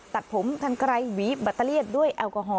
ตัดผมกันไกลหวีแบตเตอเลียดด้วยแอลกอฮอล